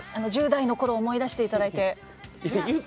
１０代のころを思い出していただいて。